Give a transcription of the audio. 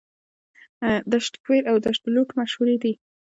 دشت کویر او دشت لوت مشهورې دي.